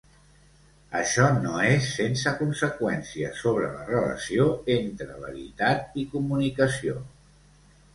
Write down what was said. Això no és sense conseqüència sobre la relació entre veritat i comunicació.